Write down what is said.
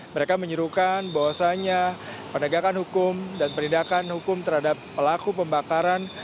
mereka menyerukan bahwasannya penegakan hukum dan penindakan hukum terhadap pelaku pembakaran